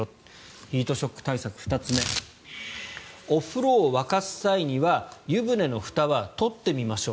ヒートショック対策、２つ目お風呂を沸かす際には湯船のふたは取ってみましょう。